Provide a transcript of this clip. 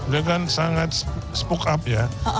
dia kan sangat spoke up ya